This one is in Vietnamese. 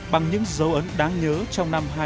bằng những dấu ấn đáng nhớ trong năm hai nghìn một mươi chín